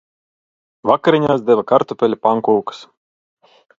Vakariņās deva kartupeļu pankūkas.